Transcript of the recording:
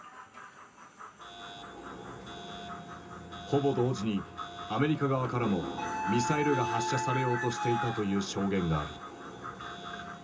ほぼ同時にアメリカ側からもミサイルが発射されようとしていたという証言がある。